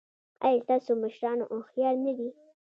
ایا ستاسو مشران هوښیار نه دي؟